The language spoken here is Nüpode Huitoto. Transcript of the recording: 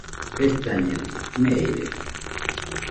Jetañeno, meirede.